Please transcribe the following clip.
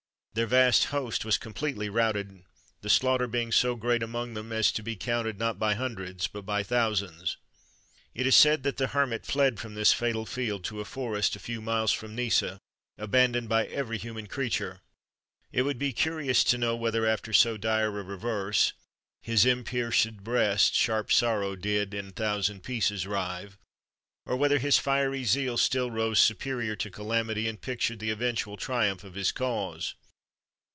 Their vast host was completely routed, the slaughter being so great among them, as to be counted, not by hundreds, but by thousands. It is said that the Hermit fled from this fatal field to a forest a few miles from Nissa, abandoned by every human creature. It would be curious to know whether, after so dire a reverse, "His enpierced breast Sharp sorrow did in thousand pieces rive," or whether his fiery zeal still rose superior to calamity, and pictured the eventual triumph of his cause.